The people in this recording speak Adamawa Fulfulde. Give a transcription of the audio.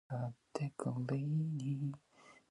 Mi ɗon wara ko ndaarataa mi ?